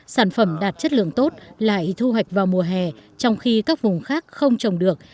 sản phẩm đạt chất lượng tốt lại thu hoạch vào mùa hè trong khi các vùng khác không trồng được